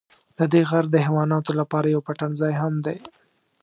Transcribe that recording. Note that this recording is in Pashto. ددې غر د حیواناتو لپاره یو پټنځای هم دی.